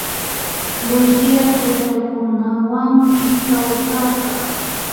Lucía taytakunawanmi kawsarka